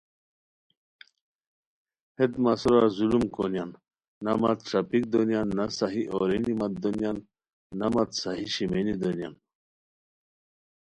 ہیت مہ سورا ظلم کونیان نہ مت ݰاپیک دونیان نہ صحیح اورینی مت دونیان، نہ مت صحیح شیمینی دونیان